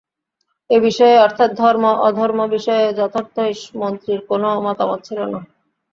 এ বিষয়ে– অর্থাৎ ধর্ম অধর্ম বিষয়ে যথার্থই মন্ত্রীর কোনো মতামত ছিল না।